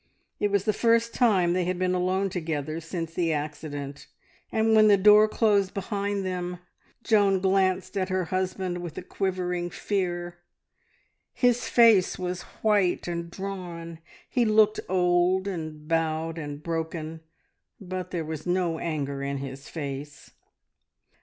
It was the first time they had been alone together since the accident, and when the door closed behind them Joan glanced at her husband with a quivering fear. His face was white and drawn. He looked old, and bowed, and broken, but there was no anger in his face.